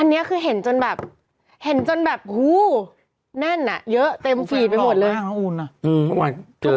อันนี้คือเห็นจนแบบแน่นอะเยอะเต็มฟีดไปหมดเลย